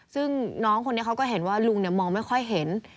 ซึ่งน้องคนนี้เขาก็เห็นว่าลุงมองไม่ค่อยเห็น